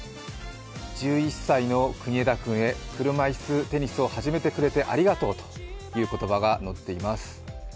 １１歳の国枝君へ、車いすテニスを始めてくれてありがとうという言葉が載っています。